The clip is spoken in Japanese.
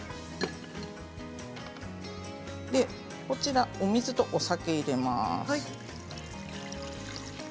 こちらお水とお酒を入れます。